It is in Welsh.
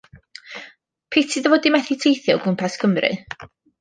Piti dy fod di methu teithio o gwmpas Cymru.